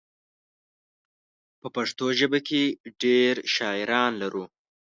په پښتو ژبه کې ډېر شاعران لرو.